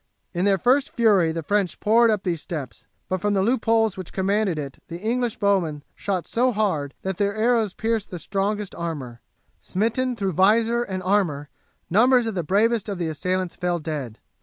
In their first fury the French poured up these steps, but from the loopholes which commanded it the English bowmen shot so hard that their arrows pierced the strongest armour. Smitten through vizor and armour, numbers of the bravest of the assailants fell dead.